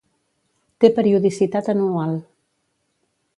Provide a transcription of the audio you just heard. Té periodicitat anual.